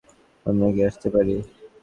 আমরা কি আসতে পারি?